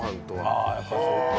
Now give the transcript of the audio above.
ああやっぱそっか。